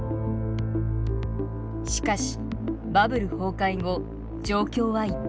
しかしバブル崩壊後状況は一変。